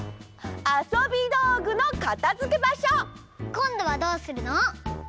こんどはどうするの？